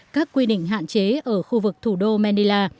các quy định hạn chế ở khu vực thủ đô manila